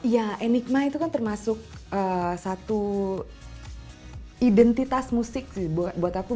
ya enigma itu kan termasuk satu identitas musik sih buat aku